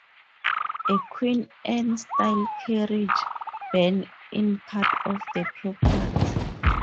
A Queen Anne style carriage barn is part of the property.